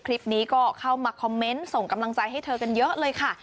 คลิปนี้ก็เข้ามาคอมเมนต์ส่งกำลังใจให้เธอกันเยอะเลยค่ะ